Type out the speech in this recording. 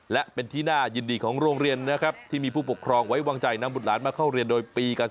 และเป็นที่น่ายินดีของโรงเรียนนะครับที่มีผู้ปกครองไว้วางใจนำบุตรหลานมาเข้าเรียนโดยปี๙๔